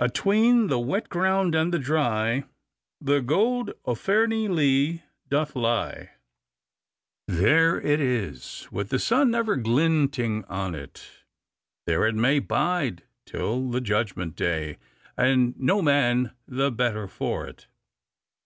'Atween the wet ground and the dry The Gold o' Fairnilee doth lie.' There it is, with the sun never glinting on it; there it may bide till the Judgment day, and no man the better for it.